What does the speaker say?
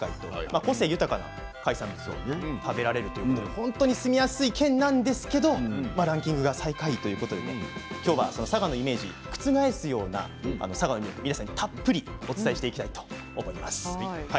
個性豊かな海産物を食べられるということで本当に住みやすい県なんですけれどもランキング最下位ということで今日は佐賀のイメージを覆すような佐賀の魅力を皆さんにたっぷりお伝えしていきたいと思います。